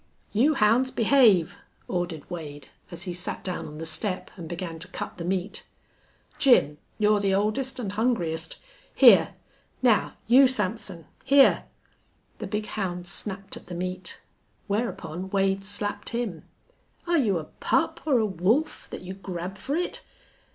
"You hounds behave," ordered Wade, as he sat down on the step and began to cut the meat. "Jim, you're the oldest an' hungriest. Here.... Now you, Sampson. Here!"... The big hound snapped at the meat. Whereupon Wade slapped him. "Are you a pup or a wolf that you grab for it?